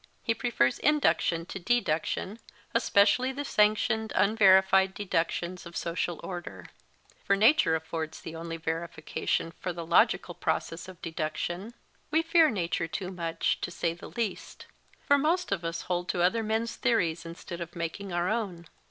He prefers induction to deduction, especially the sanctioned unverified deductions of social order. For nature affords the only MO R LEY ROBERTS 189 \\ verification for the logical process of deduction. We fear nature too much, to say the least. For most of us hold to other men s theories instead of making our own.